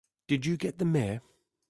Did you get the Mayor?